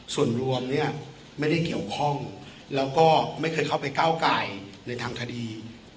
ส่วนรวมเนี่ยไม่ได้เกี่ยวข้องแล้วก็ไม่เคยเข้าไปก้าวไก่ในทางคดี